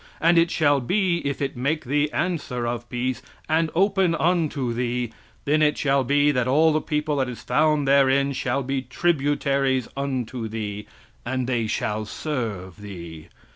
"And it shall be, if it make thee answer of peace, and open unto thee, then it shall be that all the people that is found therein shall be tributaries unto thee, and they shall serve thee.